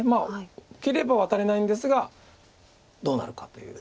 切ればワタれないんですがどうなるかという。